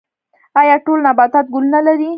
ایا ټول نباتات ګلونه لري؟